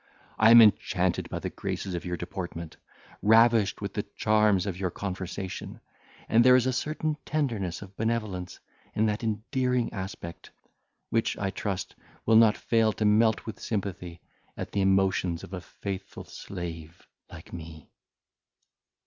I am enchanted by the graces of your deportment, ravished with the charms of your conversation; and there is a certain tenderness of benevolence in that endearing aspect, which, I trust, will not fail to melt with sympathy at the emotions of a faithful slave like me."